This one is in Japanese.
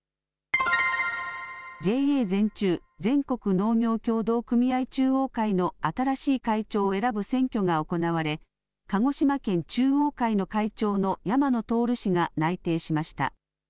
ＪＡ全中・全国農業協同組合中央会の新しい会長を選ぶ選挙が行われ、鹿児島県中央会の会長の山野徹氏が内定しました。